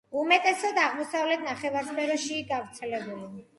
უმეტესად აღმოსავლეთ ნახევარსფეროში გავრცელებული.